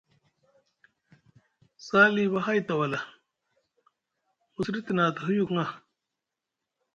Sali ɓa hay tawala mu siɗiti na te huyuk ŋa.